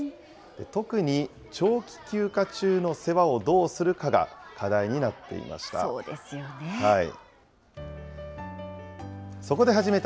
特に長期休暇中の世話をどうするかが課題になっていました。